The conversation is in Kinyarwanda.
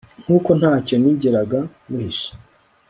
nk'uko ntacyo nigeraga muhisha